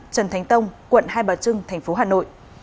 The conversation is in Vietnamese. trần thánh tông quận hai bà trưng tp hà nội